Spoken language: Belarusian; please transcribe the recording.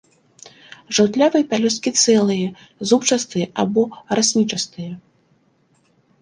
Жаўтлявыя пялёсткі цэлыя, зубчастыя або раснічастыя.